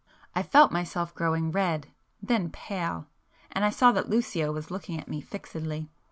I felt myself growing red, then pale,—and I saw that Lucio was looking at me fixedly.